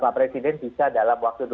pak presiden bisa dalam waktu dua belas